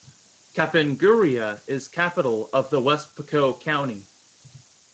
Kapenguria is capital of the West Pokot County.